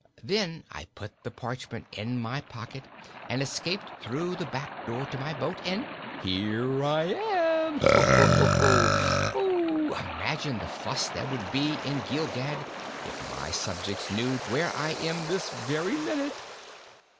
Then I put the parchment in my pocket and escaped through the back door to my boat and here I am. Oo, hoo hoo, keek eek! Imagine the fuss there would be in Gilgad if my subjects knew where I am this very minute!"